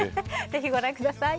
ぜひご覧ください。